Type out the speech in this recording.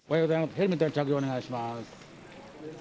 ヘルメットの着用をお願いします。